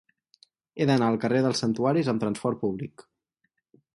He d'anar al carrer dels Santuaris amb trasport públic.